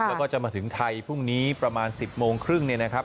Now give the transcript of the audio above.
แล้วก็จะมาถึงไทยพรุ่งนี้ประมาณ๑๐โมงครึ่งเนี่ยนะครับ